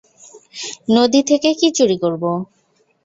নদী থেকে কী চুরি করব?